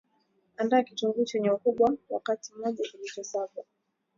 andaa Kitunguu chenye Ukubwa wa kati moja kilichosagwa